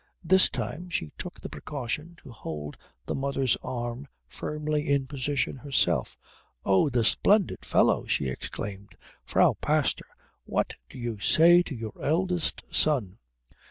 This time she took the precaution to hold the mother's arm firmly in position herself. "Oh, the splendid fellow!" she exclaimed. "Frau Pastor, what do you say to your eldest son?"